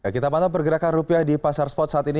kita pantau pergerakan rupiah di pasar spot saat ini